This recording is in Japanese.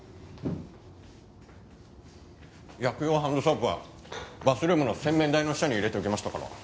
薬用ハンドソープはバスルームの洗面台の下に入れておきましたから。